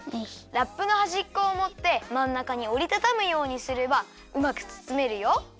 ラップのはじっこをもってまんなかにおりたたむようにすればうまくつつめるよ。